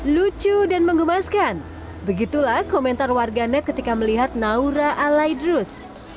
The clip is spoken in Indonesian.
lucu dan mengemaskan begitulah komentar warga net ketika melihat naura alaidrus